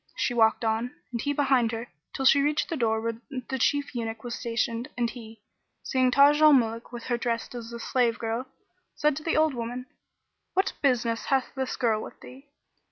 She walked on (and he behind her) till she reached the door where the Chief Eunuch was stationed and he, seeing Taj al Muluk with her dressed as a slave girl, said to the old woman, "What business hath this girl with thee?"